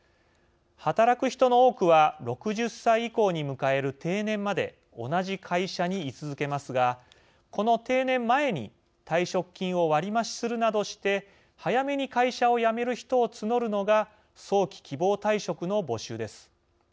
働く人の多くは６０歳以降に迎える定年まで同じ会社に居続けますがこの定年前に退職金を割り増しするなどして早めに会社を辞める人を募るのが早期・希望退職の募集です。